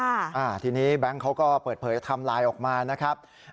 อ่าทีนี้แบงค์เขาก็เปิดเผยไทม์ไลน์ออกมานะครับ